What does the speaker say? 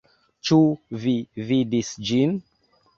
Ĉu vi vidis ĝin?